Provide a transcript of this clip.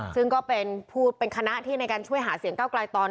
ซึ่งก็เป็นคณะที่ในการช่วยหาเสียงกรายตอน